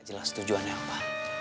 jelas tujuannya apa